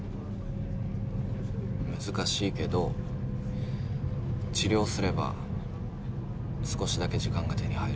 難しいけど治療すれば少しだけ時間が手に入るって。